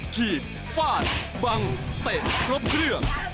ฟาดบังเตะครบเครื่อง